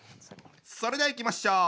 それではいきましょう。